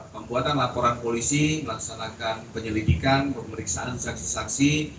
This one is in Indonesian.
pembuatan laporan polisi melaksanakan penyelidikan pemeriksaan saksi saksi